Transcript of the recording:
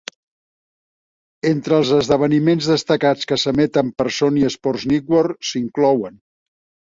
Entre els esdeveniments destacats que s'emeten per Sony Sports Network s'inclouen